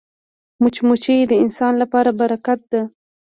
مچمچۍ د انسان لپاره برکت ده